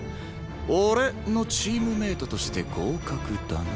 俺のチームメートとして合格だな。